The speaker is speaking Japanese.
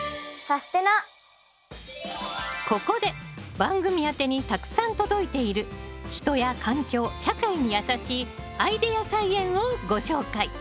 ここで番組宛てにたくさん届いている人や環境社会にやさしいアイデア菜園をご紹介